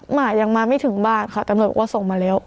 หมายังมาไม่ถึงบ้านค่ะตำรวจบอกว่าส่งมาแล้ว